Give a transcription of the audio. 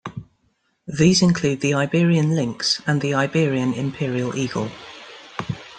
These include the Iberian lynx and the Iberian imperial eagle.